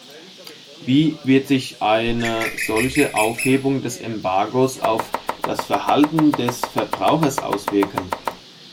Wie wird sich eine solche Aufhebung des Embargos auf das Verhalten des Verbrauchers auswirken?